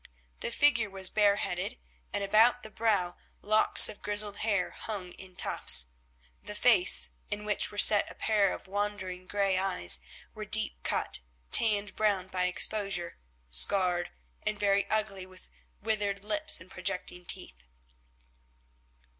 The figure was bareheaded, and about the brow locks of grizzled hair hung in tufts. The face, in which were set a pair of wandering grey eyes, was deep cut, tanned brown by exposure, scarred, and very ugly, with withered lips and projecting teeth.